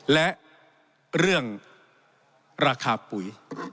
และเรื่องราคาปุ๋ย